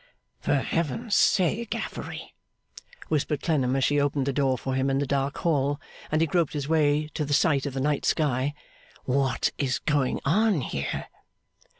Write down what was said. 'For Heaven's sake, Affery,' whispered Clennam, as she opened the door for him in the dark hall, and he groped his way to the sight of the night sky, 'what is going on here?